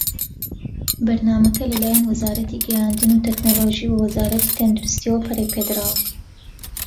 بەرنامەکە لە لایەن وەزارەتی گەیاندن وتەکنەلۆجی و وە وەزارەتی تەندروستییەوە پەرەی پێدراوە.